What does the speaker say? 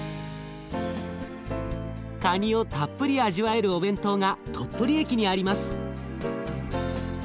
かにをたっぷり味わえるお弁当が鳥取駅にあります。